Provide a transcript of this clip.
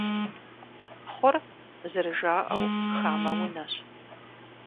Пхъур, зэрыжаӀэу, хамэ унэщ.